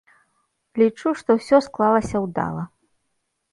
Лічу, што ўсё склалася ўдала.